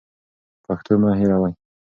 پښتو مه هېروئ.